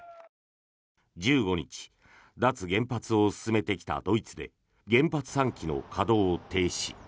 １５日、脱原発を進めてきたドイツで原発３基の稼働を停止。